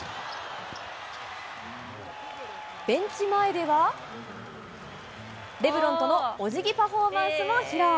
ベンチ前では、レブロンとのおじぎパフォーマンスも披露。